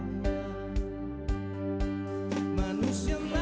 jumlah kaulah ramai yuk herman